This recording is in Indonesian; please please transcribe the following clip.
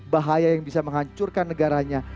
bahaya yang bisa menghancurkan negaranya